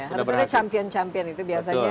harus ada champion champion itu biasanya